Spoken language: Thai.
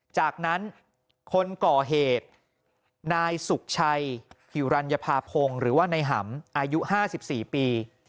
จากนั้นคนก่อเหตุนายสุขชัยหิวรัญภาพงหรือว่านายหำอายุ๕๔ปี